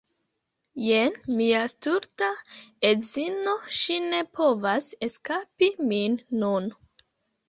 Jen mia stulta edzino ŝi ne povas eskapi min nun